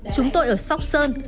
chúng tôi ở sóc sơn